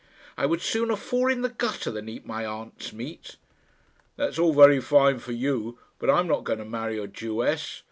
"I would sooner fall in the gutter than eat my aunt's meat." "That is all very fine for you, but I am not going to marry a Jewess.